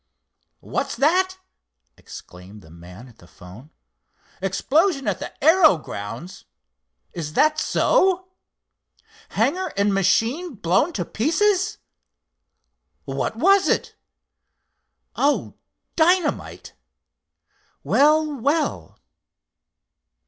"What's that!" exclaimed the man at the 'phone. "Explosion at the aero grounds? Is that so? Hangar and machine blown to pieces! What was it? Oh, dynamite! Well! well!"